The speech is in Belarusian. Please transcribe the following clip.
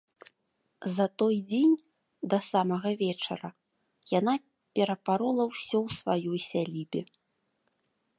За той дзень, да самага вечара, яна перапарола ўсё ў сваёй сялібе.